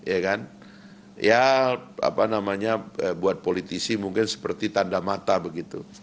ya kan ya apa namanya buat politisi mungkin seperti tanda mata begitu